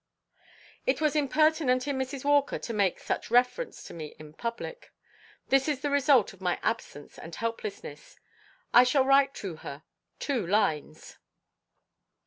"It was impertinent in Mrs. Walker to make such reference to me in public. This is the result of my absence and helplessness. I shall write to her two lines."